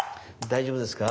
大丈夫ですね？